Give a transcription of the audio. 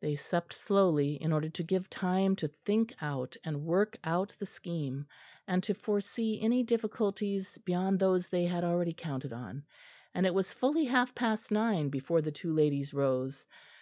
They supped slowly, in order to give time to think out and work out the scheme, and to foresee any difficulties beyond those they had already counted on; and it was fully half past nine before the two ladies rose.